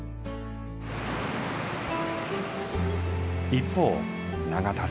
一方永田さん。